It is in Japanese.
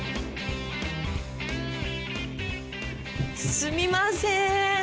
すみません。